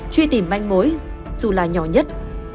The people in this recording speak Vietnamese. truy tìm manh mối dù là nhỏ nhất